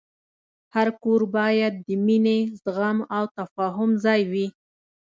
هر کور باید د مینې، زغم، او تفاهم ځای وي.